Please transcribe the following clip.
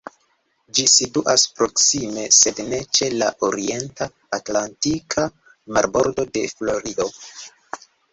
Ĝi situas proksime, sed ne ĉe la orienta atlantika marbordo de Florido.